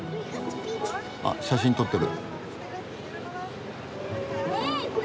あ写真撮ってる。